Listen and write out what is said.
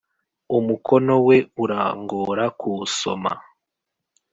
umukono we urangora kuwu soma